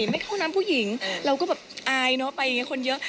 ไม่เข้าน้ำผู้หญิงเราก็แบบอายเนอะไปอย่างนี้คนเยอะ